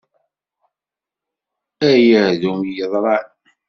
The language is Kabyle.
Ay ahdum yeḍran!